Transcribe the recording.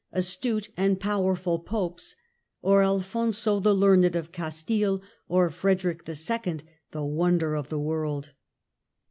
astute and powerful popes, or Al fonso the Learned of Castile, or Frederick II., the * wonder of the world